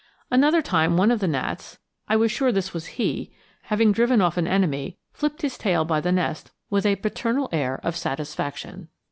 Another time one of the gnats, I was sure this was he, having driven off an enemy, flipped his tail by the nest with a paternal air of satisfaction.